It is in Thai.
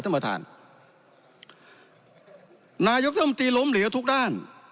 ท่านประธานนายกรัฐมนตรีล้มเหลวทุกด้าน